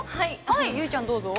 結実ちゃん、どうぞ。